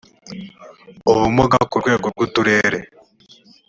ubumuga ku rwego rw uturere